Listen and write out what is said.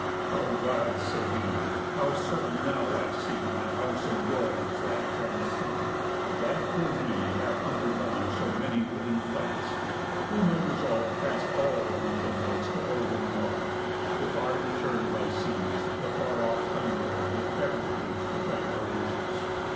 "O Gods," said he, "how certain, now, I see My house enjoys that friend's son, that for me Hath undergone so many willing fights! Whom I resolv'd, past all the Grecian knights, To hold in love, if our return by seas The far off Thunderer did ever please To grant our wishes.